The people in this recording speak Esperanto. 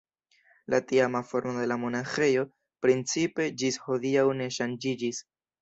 La tiama formo de la monaĥejo principe ĝis hodiaŭ ne ŝanĝiĝis.